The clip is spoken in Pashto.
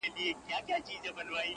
دوی زړور شول